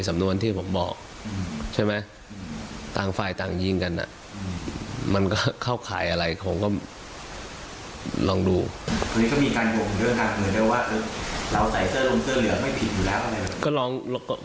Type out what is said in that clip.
อันนี้ก็มีการโดยของเรื่องค่ะเหมือนกันว่าเราใส่เสื้อลงเสื้อเหลืองไม่ผิดอยู่แล้วอะไรแบบนี้